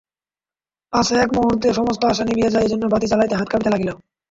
পাছে একমুহূর্তে সমস্ত আশা নিবিয়া যায় এইজন্য বাতি জ্বালাইতে হাত কাঁপিতে লাগিল।